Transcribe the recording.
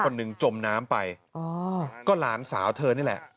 คนหนึ่งจมน้ำไปอ๋อก็หลานสาวเธอนี่แหละ